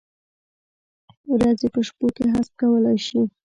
ورځې په شپو کې حذف کولای شي؟